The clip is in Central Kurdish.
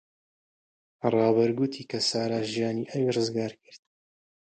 ڕابەر گوتی کە سارا ژیانی ئەوی ڕزگار کرد.